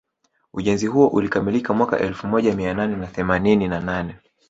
Ujenzi huo ulikamilika mwaka elfu moja mia nane na themanini na nane